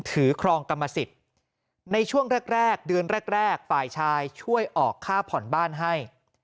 ครองกรรมสิทธิ์ในช่วงแรกเดือนแรกแรกฝ่ายชายช่วยออกค่าผ่อนบ้านให้